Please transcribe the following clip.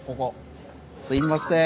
すいません